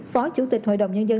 phó chủ tịch hội đồng nhân dân